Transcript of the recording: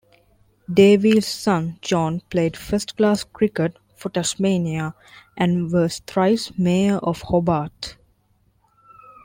Davies' son John played first-class cricket for Tasmania and was thrice Mayor of Hobart.